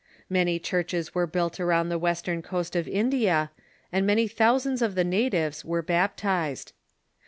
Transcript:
Many churches were built around the western coast of India, and many thousands of the natives were bap tized.